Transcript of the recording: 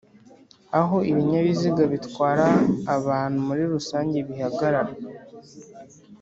Aho ibinyabiziga bitwara abantu muli rusange bihagarara